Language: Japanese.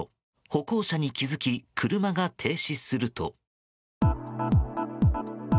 歩行者に気づき車が停止すると。